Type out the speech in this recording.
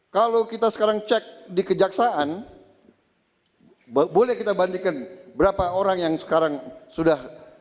kalau kita sekarang cek di kejaksaan boleh kita bandingkan berapa orang yang sekarang sudah